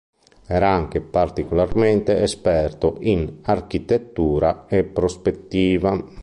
Era anche particolarmente esperto in architettura e prospettiva.